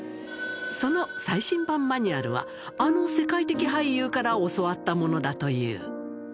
その最新版マニュアルは、あの世界的俳優から教わったものだという。